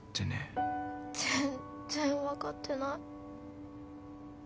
全然分かってない。